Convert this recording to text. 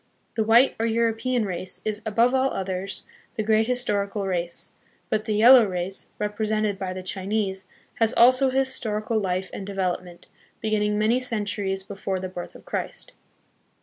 The white, or European, race is, above all others, the great historical race; but the yel low race, represented by the Chinese, has also a historical life and development, beginning many centuries before the birth of Christ.